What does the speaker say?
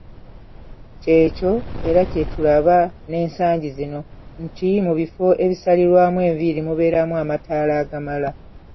Ky’ekyo era kye tulaba n’ensangi zino nti mu bifo ebisalirwamu enviiri mubeeramu amataala agamala.